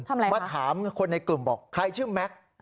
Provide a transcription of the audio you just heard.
มาถามคนในกลุ่มบอกใครชื่อแม็กซ์